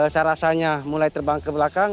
saya rasanya mulai terbang ke belakang